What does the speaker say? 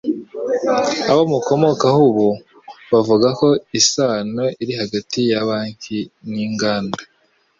abamukomokaho ubu bavuga ko isano iri hagati ya banki n'inganda